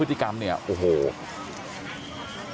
แต่ว่าวินนิสัยดุเสียงดังอะไรเป็นเรื่องปกติอยู่แล้วครับ